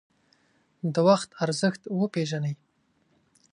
د وخت ارزښت وپیژنئ